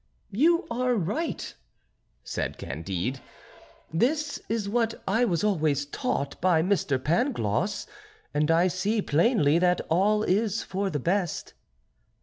"You are right," said Candide; "this is what I was always taught by Mr. Pangloss, and I see plainly that all is for the best."